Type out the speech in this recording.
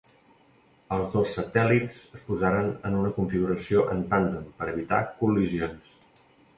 Els dos satèl·lits es posaran en una configuració en tàndem per evitar col·lisions.